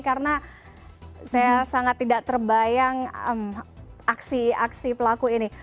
karena saya sangat tidak terbayang aksi aksi pelaku ini